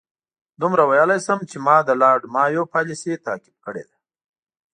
دومره ویلای شم چې ما د لارډ مایو پالیسي تعقیب کړې ده.